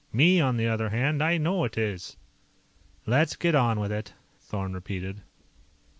Me, on the other hand, I know it is." "Let's get on with it," Thorn repeated.